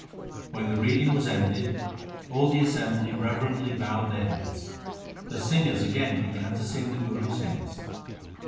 When the reading was ended, all the assembly reverently bowed their heads. The singers again began to sing the Gurus' hymns.